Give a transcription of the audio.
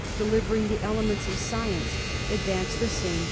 delivering the elements of science, advance the sair».